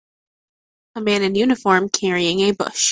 A man in uniform carrying a bush.